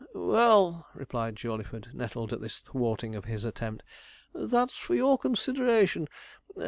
'Well,' replied Jawleyford, nettled at this thwarting of his attempt, 'that's for your consideration.